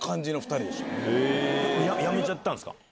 やめちゃったんすか？